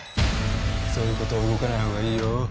そういうこと動かないほうがいいよ。